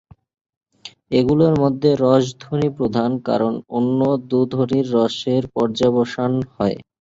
এগুলির মধ্যে রসধ্বনি প্রধান, কারণ অন্য দু ধ্বনিরও রসেই পর্যবসান হয়।